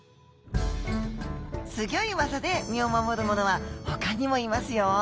すぎょい技で身を守るものは他にもいますよ。